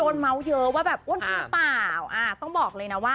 สวยมาก